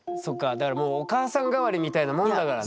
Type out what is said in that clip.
だからもうお母さん代わりみたいなもんだからね。